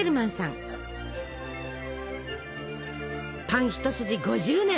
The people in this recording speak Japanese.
パン一筋５０年！